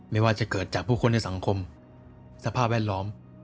ไม่ว่าจะเกิดจากผู้คนในสังคมสภาพแวดล้อม